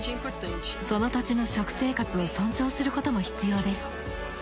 その土地の食生活を尊重することも必要です。